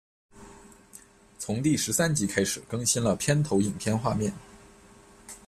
从第十三集开始更新了片头影片画面。